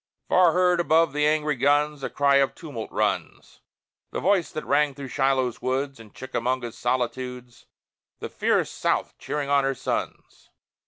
Far heard above the angry guns, A cry of tumult runs: The voice that rang through Shiloh's woods, And Chickamauga's solitudes: The fierce South cheering on her sons!